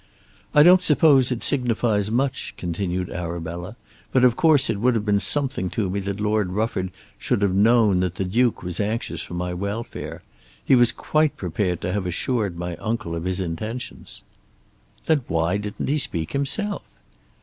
"I don't suppose it signifies much," continued Arabella, "but of course it would have been something to me that Lord Rufford should have known that the Duke was anxious for my welfare. He was quite prepared to have assured my uncle of his intentions." "Then why didn't he speak himself?"